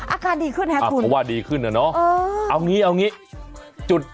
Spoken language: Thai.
อาการดีขึ้นไงครับคุณ